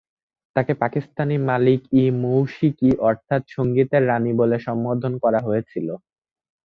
তাঁকে পাকিস্তানে ‘মালিকা-ই-মৌশিকি’ অর্থাৎ সঙ্গীতের রাণী বলে সম্বোধন করা হয়েছিল।